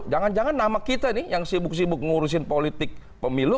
jangan jangan nama kita nih yang sibuk sibuk ngurusin politik pemilu